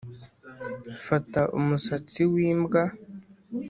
fata umusatsi wimbwa